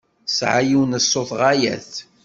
Tesɛa yiwen n ṣṣut ɣaya-t.